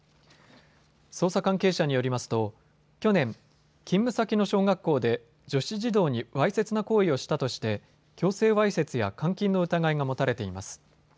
捜査関係者によりますと去年、勤務先の小学校で女子児童にわいせつな行為をしたとして強制わいせつや監禁の疑いが持たれています。